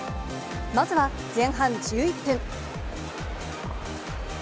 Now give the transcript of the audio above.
まずは前半１１分。